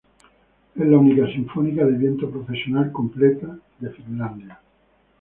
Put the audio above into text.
Es la única sinfónica de viento profesional completa de Finlandia.